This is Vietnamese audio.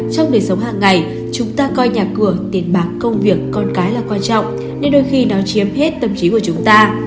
trong đời sống hàng ngày chúng ta coi nhà cửa tiền bạc công việc con cái là quan trọng nên đôi khi nó chiếm hết tâm trí của chúng ta